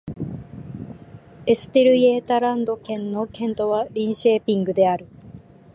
エステルイェータランド県の県都はリンシェーピングである